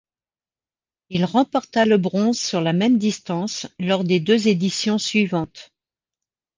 Il remporta le bronze sur la même distance lors des deux éditions suivantes.